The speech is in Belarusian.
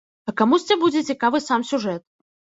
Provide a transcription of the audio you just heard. А камусьці будзе цікавы сам сюжэт.